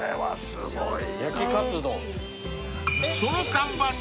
すごい！